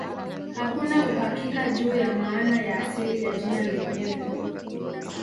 Hakuna uhakika juu ya maana ya asili ya jina lenyewe.